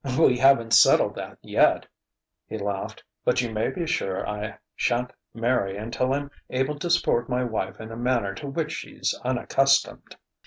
"We haven't settled that yet," he laughed; "but you may be sure I shan't marry until I'm able to support my wife in a manner to which she's unaccustomed."